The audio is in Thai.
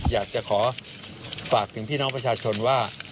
อยากจะขอฝากถึงพี่น้องประชาชนว่า